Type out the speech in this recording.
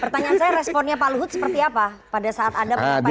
pertanyaan saya responnya pak luhut seperti apa pada saat anda menyampaikan